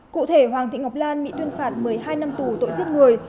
cụ thể hoàng thị ngọc lan bị tuyên phạt một mươi hai năm tù tội giết người